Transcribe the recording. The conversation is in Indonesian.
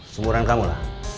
sumuran kamu lah